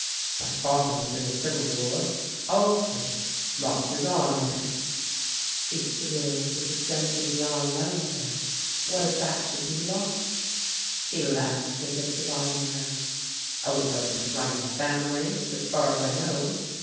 My father was in the civil war; all through it; lost his arm in it." She thrilled with the sense of the arm round her; what if that should be lost? He laughed as if divining her: "Oh, it doesn't run in the family, as far as I know!"